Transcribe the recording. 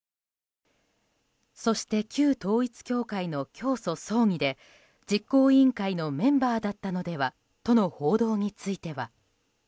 そして旧統一教会の教祖葬儀で実行委員会のメンバーだったのではという報道については。